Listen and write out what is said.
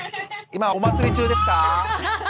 今お祭り中ですか？